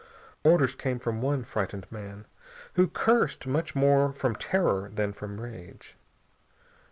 Orders came from one frightened man, who cursed much more from terror than from rage.